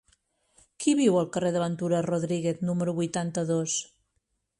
Qui viu al carrer de Ventura Rodríguez número vuitanta-dos?